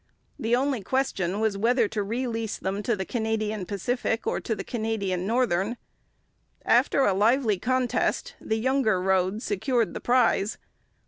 The only question was whether to re lease them to the Canadian Pacific or to the Canadian Northern. After a lively contest the younger road secured the prize.